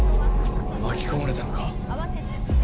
巻き込まれたのか！？